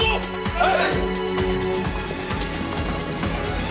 はい！